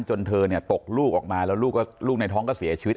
เธอเนี่ยตกลูกออกมาแล้วลูกในท้องก็เสียชีวิต